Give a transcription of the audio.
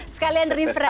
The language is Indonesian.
sekalian refresh ya